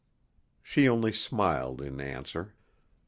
She only smiled in answer.